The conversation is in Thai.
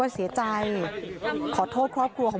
พระคุณที่อยู่ในห้องการรับผู้หญิง